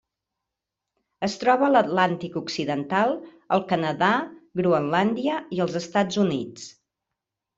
Es troba a l'Atlàntic occidental: el Canadà, Groenlàndia i els Estats Units.